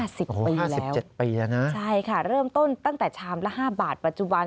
๕๐ปีแล้วใช่ค่ะเริ่มต้นตั้งแต่ชามละ๕บาทปัจจุบัน